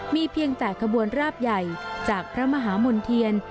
มีเพียงแต่ขบวนราบใหญ่จากพระมหามณ์เทียน